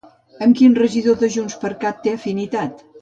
Amb quin regidor de JxCat té afinitat?